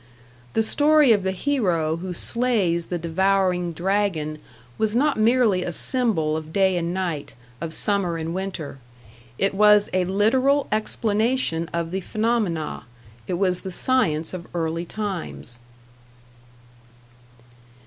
The story of the hero who slays the devouring dragon was not merely a symbol of day and night, of summer and winter; it was a literal explanation of the phenomena, it was the science of early times.